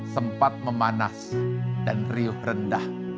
sempat memanas dan riuh rendah